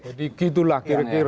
jadi gitulah kira kira